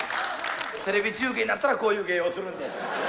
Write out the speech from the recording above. テレビ中継になったらこういう芸をするんです。